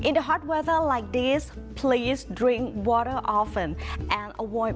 ในเวลาเวลาแบบนี้อย่าลืมน้ำน้ำบ่อย